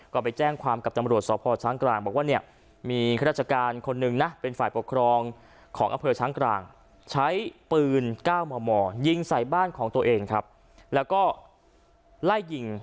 ก็ไปแจ้งความกับตำรวจเพราะช้างกลาง